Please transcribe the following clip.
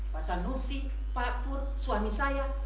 pak sanusi pak pur suami saya